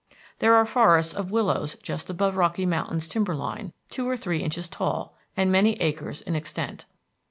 There are forests of willows just above Rocky Mountain's timber line, two or three inches tall, and many acres in extent.